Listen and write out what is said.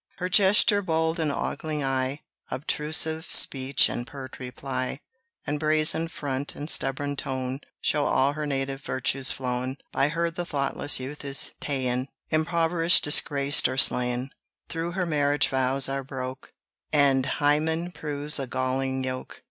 Her gesture bold and ogling eye, Obtrusive speech and pert reply, And brazen front and stubborn tone, Show all her native virtue's flown. By her the thoughtless youth is ta'en, Impoverished, disgraced, or slain: Through her the marriage vows are broke, And Hymen proves a galling yoke.